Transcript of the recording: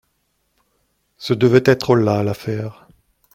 Ce devait être là l'affaire.